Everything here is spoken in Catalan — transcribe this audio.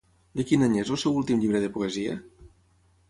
De quin any és el seu últim llibre de poesia?